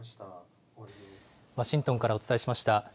ワシントンからお伝えしました。